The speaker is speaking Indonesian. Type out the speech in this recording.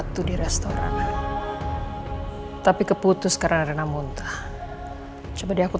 kita langsung ke rumah